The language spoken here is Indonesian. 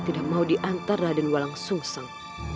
tidak mau diantar raden walang sungseng